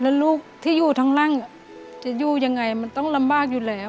แล้วลูกที่อยู่ทั้งล่างจะอยู่ยังไงมันต้องลำบากอยู่แล้ว